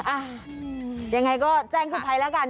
อ่ะยังไงก็แจ้งคุณภัยแล้วกัน